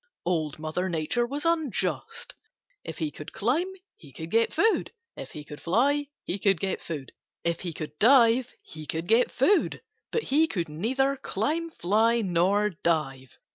Old Mother Nature was unjust. If he could climb he could get food. If he could fly he could get food. If he could dive he could get food. But he could neither climb, fly, nor dive.